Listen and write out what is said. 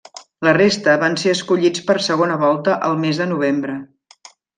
La resta, van ser escollits per segona volta el mes de novembre.